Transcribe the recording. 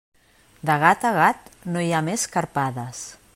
De gat a gat no hi ha més que arpades.